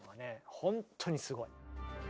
本当にすごい。